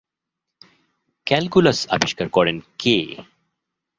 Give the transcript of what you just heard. Calculus আবিষ্কার করেন কে?